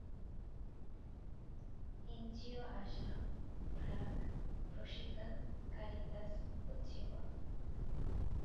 NGO ASA, BRAC, Proshika, Caritas, Ujjivan.